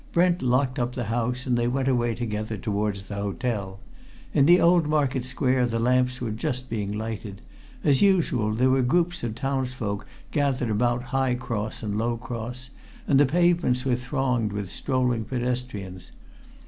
Brent locked up the house, and they went away together towards the hotel. In the old market square the lamps were just being lighted; as usual there were groups of townsfolk gathered about High Cross and Low Cross, and the pavements were thronged with strolling pedestrians.